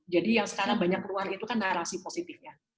jadi yang sekarang banyak keluar itu kan narasi positifnya